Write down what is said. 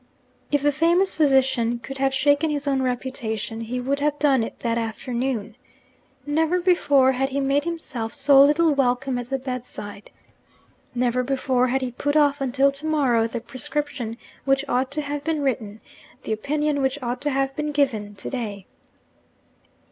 If the famous physician could have shaken his own reputation, he would have done it that afternoon. Never before had he made himself so little welcome at the bedside. Never before had he put off until to morrow the prescription which ought to have been written, the opinion which ought to have been given, to day.